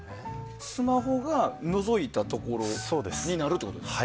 スマホが、のぞいたところになるってことですか。